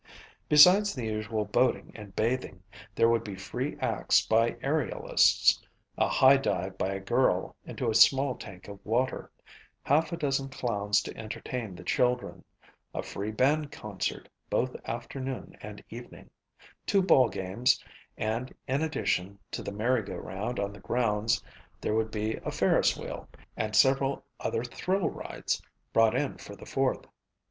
Besides the usual boating and bathing, there would be free acts by aerialists, a high dive by a girl into a small tank of water, half a dozen clowns to entertain the children, a free band concert both afternoon and evening, two ball games and in addition to the merry go round on the grounds there would be a ferris wheel and several other "thrill" rides brought in for the Fourth.